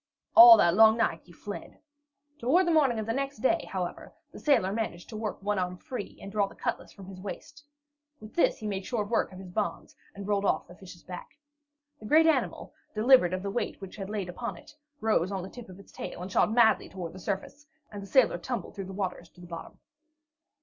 All that long night he fled. Toward the morning of the next day, however, the sailor managed to work one arm free, and draw the cutlass from his waist. With this he made short work of his bonds and rolled off the fish's back. The great animal, delivered of the weight which had lain upon it, rose on the tip of its tail and shot madly toward the surface, and the sailor tumbled through the waters to the bottom.